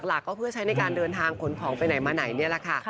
หลักก็เพื่อใช้ในการเดินทางขนของไปไหนมาไหนนี่แหละค่ะ